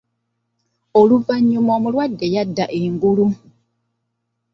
Oluvanyuma omulwadde yadda engulu.